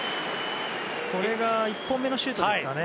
これが１本目のシュートですかね。